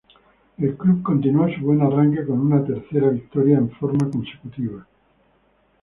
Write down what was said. El club continuó su buen arranque con una tercera victoria en forma consecutiva.